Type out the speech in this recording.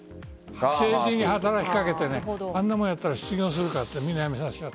政治に働きかけてあんなものをやったら失業するからといってやめさせた。